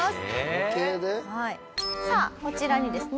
さあこちらにですね